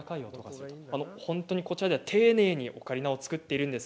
本当にこちらでは丁寧にオカリナを作っています。